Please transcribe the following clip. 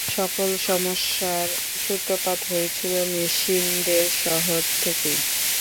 সকল সমস্যার সূত্রপাত হয়েছিল মেশিনদের শহর থেকেই।